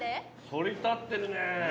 そり立ってるね。